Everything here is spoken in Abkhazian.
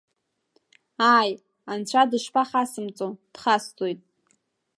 Ааи, анцәа дышԥахасымҵо, дхасҵоит!